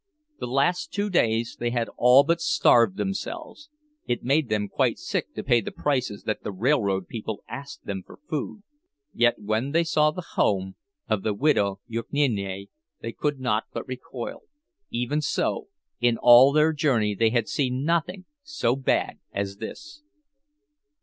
The last two days they had all but starved themselves—it made them quite sick to pay the prices that the railroad people asked them for food. Yet, when they saw the home of the Widow Jukniene they could not but recoil, even so, in all their journey they had seen nothing so bad as this.